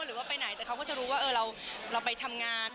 หรือว่าไปไหนแต่เขาก็จะรู้ว่าเราไปทำงาน